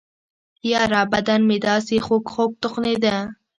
يره بدن مې دسې خوږخوږ تخنېده.